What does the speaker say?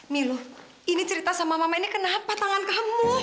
milo ini cerita sama mama mainnya kenapa tangan kamu